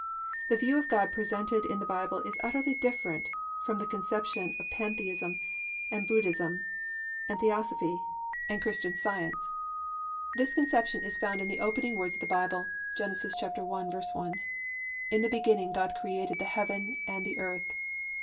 The view of God presented in the Bible is utterly different from the conception of Pantheism and Buddhism and Theosophy and Christian Science. This conception is found in the opening words of the Bible, Gen. 1:1: +"In the beginning God created the heaven and the earth."